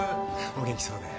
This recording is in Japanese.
お元気そうで。